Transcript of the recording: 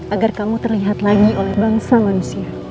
agar kamu terlihat lagi oleh bangsa manusia